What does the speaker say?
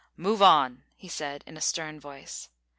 "Move on," he said in a stern voice.